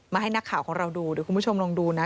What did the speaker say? ให้นักข่าวของเราดูเดี๋ยวคุณผู้ชมลองดูนะ